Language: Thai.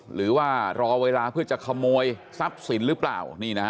หรือว่ารอเวลาเพื่อจะขโมยทรัพย์สินหรือเปล่า